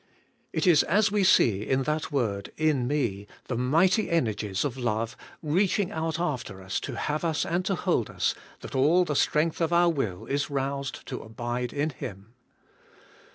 It is as we see in that word Ik me the mighty energies of love reaching out after us to have us and to hold us, that all the strength of our will is roused to abide in Him.